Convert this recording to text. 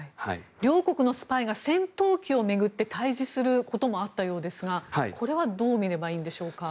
両国のスパイが戦闘機を巡って対峙することもあったようですがこれはどう見ればいいんでしょうか？